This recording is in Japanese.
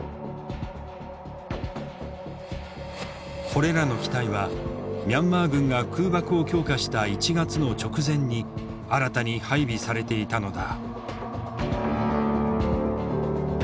これらの機体はミャンマー軍が空爆を強化した１月の直前に新たに配備されていたのだ。